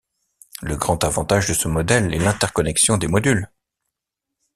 Le grand avantage de ce modèle est l'interconnexion des modules.